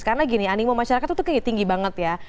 karena gini animo masyarakat itu tinggi banget ya